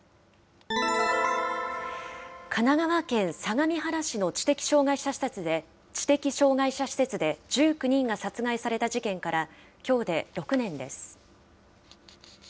神奈川県相模原市の知的障害者施設で１９人が殺害された事件から、きょうで６年です。